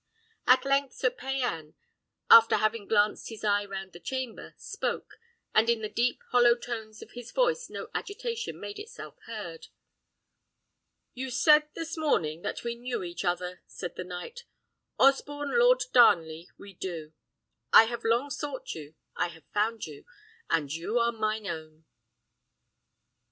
At length Sir Payan, after having glanced his eye round the chamber, spoke, and in the deep, hollow tones of his voice no agitation made itself heard. "You said this morning that we knew each other," said the knight; "Osborne Lord Darnley, we do; I have long sought you, I have found you, and you are mine own."